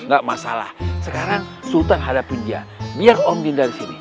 gak masalah sekarang sultan hadapin dia biar om jin dari sini